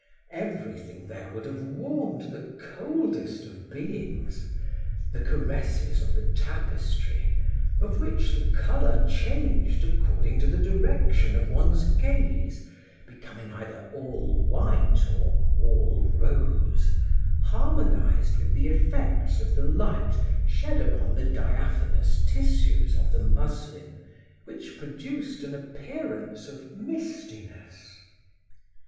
Everything there would have warmed the coldest of beings. The caresses of the tapestry, of which the color changed according to the direction of one's gaze, becoming either all white or all rose, harmonized with the effects of the light shed upon the diaphanous tissues of the muslin, which produced an appearance of mistiness.